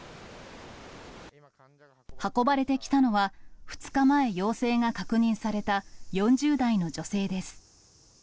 運ばれてきたのは、２日前陽性が確認された４０代の女性です。